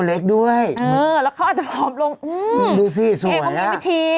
เอ๋โปรดแล้ว